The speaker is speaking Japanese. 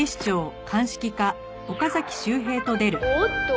「おっと！